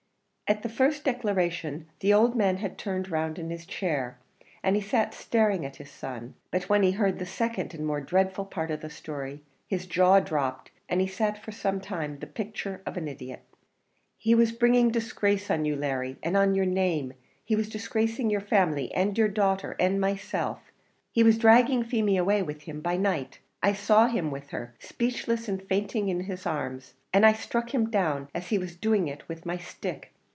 At the first declaration the old man had turned round in his chair, and he sat staring at his son; but when he heard the second and more dreadful part of the story, his jaw dropped, and he sat for some time the picture of an idiot. "He was bringing disgrace on you, Larry, and on your name; he was disgracing your family and your daughter, and myself; he was dragging Feemy away with him by night. I saw him with her, speechless and fainting in his arms, and I struck him down as he was doing it with my stick.